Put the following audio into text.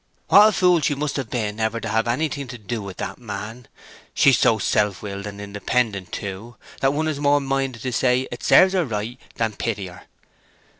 "What a fool she must have been ever to have had anything to do with the man! She is so self willed and independent too, that one is more minded to say it serves her right than pity her."